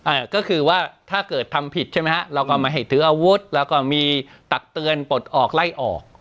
เอ่อก็คือว่าถ้าเกิดทำผิดใช่ไหมฮะเราก็ไม่ให้ถืออาวุธแล้วก็มีตักเตือนปลดออกไล่ออก